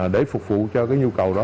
để phục vụ cho cái nhu cầu đó